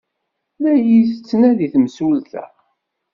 La iyi-tettnadi temsulta.